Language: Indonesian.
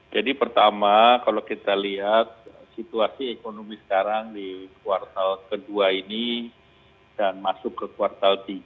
jadi pertama kalau kita lihat situasi ekonomi sekarang di kuartal kedua ini dan masuk ke kuartal tiga